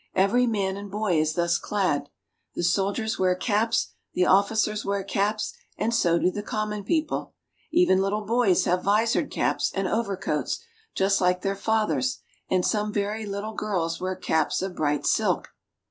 Every man and boy is thus clad. The soldiers wear caps, the officers wear caps, and so do the common people; even little boys have visored caps and overcoats just like their fathers', and some very little girls wear caps of bright silk.